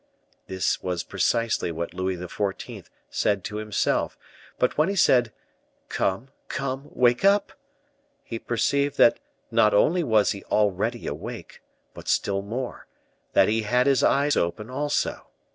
This was precisely what Louis XIV. said to himself; but when he said, "Come, come! wake up," he perceived that not only was he already awake, but still more, that he had his eyes open also.